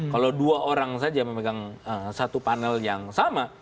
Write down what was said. kalau dua orang saja memegang satu panel yang sama